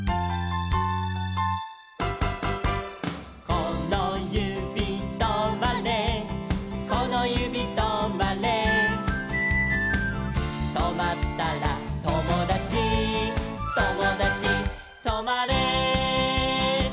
「このゆびとまれこのゆびとまれ」「とまったらともだちともだちとまれ」